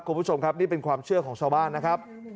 คุณผู้ชมครับนี่เป็นความเชื่อของชาวบ้านนะครับ